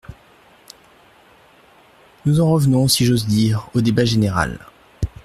Nous en revenons, si j’ose dire, au débat général.